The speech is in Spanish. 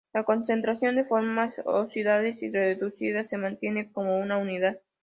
La concentración de formas oxidadas y reducidas se mantiene como una unidad.